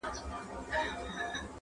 چي ملالي پکښي ګرځي د وطن پر ګودرونو!